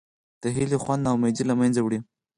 د هیلې خوند نا امیدي له منځه وړي.